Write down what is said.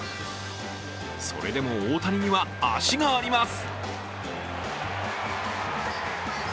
それでも大谷には足があります。